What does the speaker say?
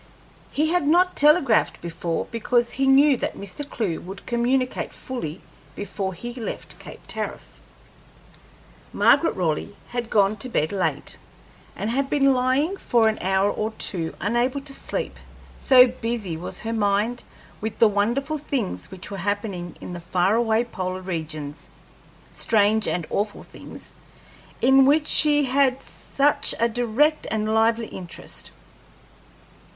He had not telegraphed before because he knew that Mr. Clewe would communicate fully before he left Cape Tariff. Margaret Raleigh had gone to bed late, and had been lying for an hour or two unable to sleep, so busy was her mind with the wonderful things which were happening in the far away polar regions strange and awful things in which she had such a direct and lively interest.